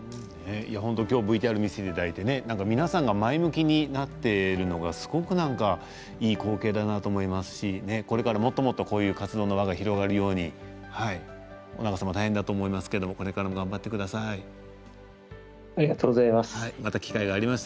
きょうＶＴＲを見せていただいて皆さんが前向きになっているのがすごくいい光景だなと思いますしこれからもっともっとこういう活動の場が広がるように尾中さんも大変だと思いますけどありがとうございます。